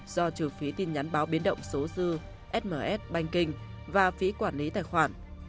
do trừ phí tin nhắn báo biến động số dư sms banking và phí quản lý tài khoản